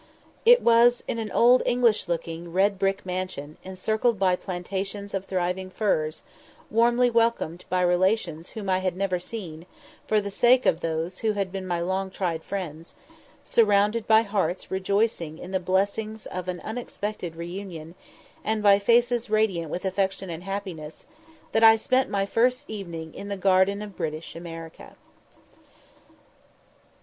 It was in an old English looking, red brick mansion, encircled by plantations of thriving firs warmly welcomed by relations whom I had never seen, for the sake of those who had been my long tried friends surrounded by hearts rejoicing in the blessings of unexpected re union, and by faces radiant with affection and happiness that I spent my first evening in the "Garden of British America."